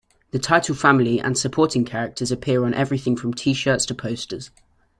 The title family and supporting characters appear on everything from T-shirts to posters.